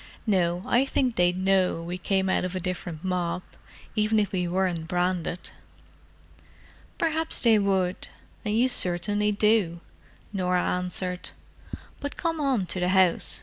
"No, I think they'd know we came out of a different mob, even if we weren't branded." "Perhaps they would—and you certainly do," Norah answered. "But come on to the house.